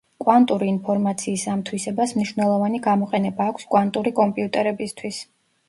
კვანტური ინფორმაციის ამ თვისებას მნიშვნელოვანი გამოყენება აქვს კვანტური კომპიუტერებისთვის.